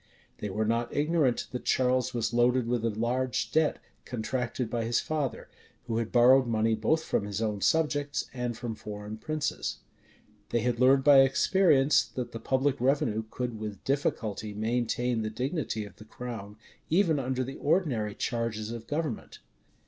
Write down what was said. They were not ignorant that Charles was loaded with a large debt, contracted by his father, who had borrowed money both from his own subjects and from foreign princes. They had learned by experience, that the public revenue could with difficulty maintain the dignity of the crown, even under the ordinary charges of government.